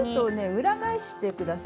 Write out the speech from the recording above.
裏返してください